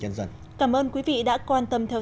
nhân dân cảm ơn quý vị đã quan tâm theo